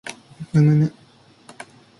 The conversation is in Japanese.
むむぬ